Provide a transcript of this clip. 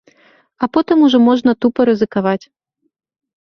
А потым ужо можна тупа рызыкаваць.